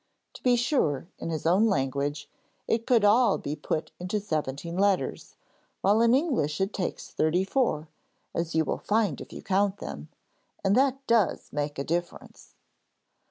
To be sure, in his own language it could all be put into seventeen letters, while in English it takes thirty four, as you will find if you count them, and that does make a difference.